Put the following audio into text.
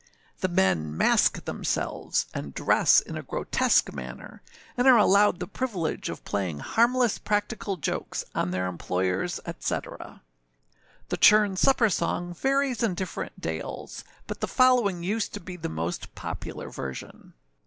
The men mask themselves, and dress in a grotesque manner, and are allowed the privilege of playing harmless practical jokes on their employers, &c. The churn supper song varies in different dales, but the following used to be the most popular version.